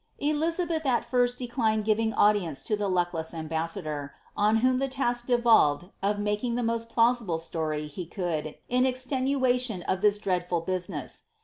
Elizabeth at first declined giving audience to the luckless ambassador, OQ whom the task devolved of making the moHt plausible story he could in extenuation of this dreadful business.